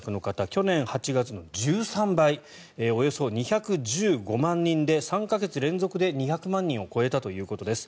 去年８月の１３倍およそ２１５万人で３か月連続で２００万人を超えたということです。